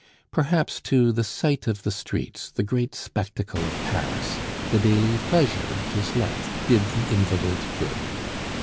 Perhaps, too, the sight of the streets, the great spectacle of Paris, the daily pleasure of his life, did the invalid good.